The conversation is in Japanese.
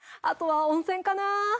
あとは温泉かな。